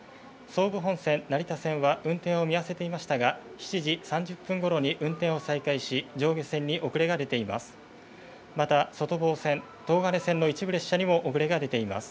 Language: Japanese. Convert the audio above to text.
総武本線、成田線は運転を見合わせていましたが、７時３０分ごろに運転を再開し、上下線に遅れが出ています。